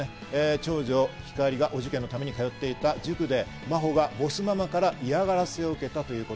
長女・光莉がお受験のために通っていた塾で真帆がボスママから嫌がらせを受けたということ。